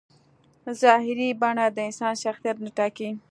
ظاهري بڼه د انسان شخصیت نه ټاکي.